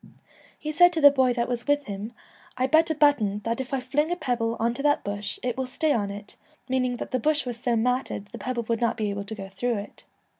He said to the boy that was with him, ' I bet a button that if I fling a pebble on to that bush it will stay on it,' meaning i:hat the bush was so matted the pebble would not be able to go through it.